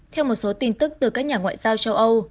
theo một số tin tức từ các nhà ngoại giao châu âu